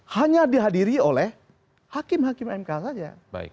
hanya dihadiri oleh hakim hakim mk saja